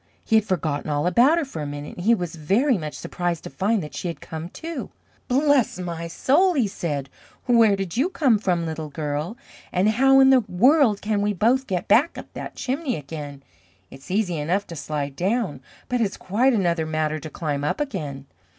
He had forgotten all about her for a minute, and he was very much surprised to find that she had come, too. "Bless my soul!" he said, "where did you come from, Little Girl? and how in the world can we both get back up that chimney again? It's easy enough to slide down, but it's quite another matter to climb up again!"